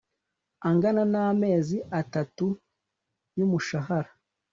Angana n amezi atatu y umushahara